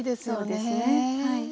そうですねはい。